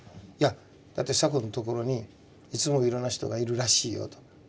「だってサコのところにいつもいろんな人がいるらしいよ」と。